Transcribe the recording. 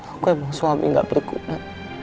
aku emang suami gak berikutnya